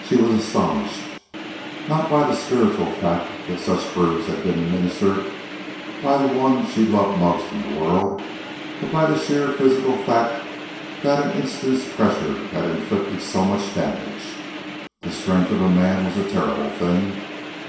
She was astonished, not by the spiritual fact that such bruise had been administered by the one she loved most in the world, but by the sheer physical fact that an instant's pressure had inflicted so much damage. The strength of a man was a terrible thing.